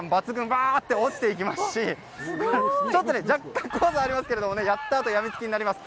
バーッて落ちていきますし若干怖さはありますけどやったあとはやみつきになります。